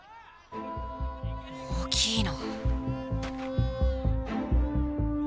大きいな。